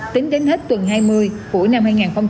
tính đến hết tuần hai mươi của năm hai nghìn hai mươi